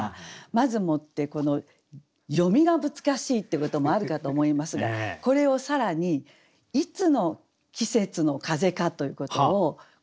まずもってこの読みが難しいってこともあるかと思いますがこれを更にいつの季節の風かということを答えて頂きたいと思うんですね。